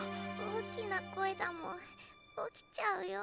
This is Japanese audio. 大きな声だもん起きちゃうよ。